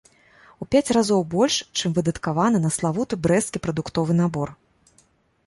У пяць разоў больш, чым выдаткавана на славуты брэсцкі прадуктовы набор.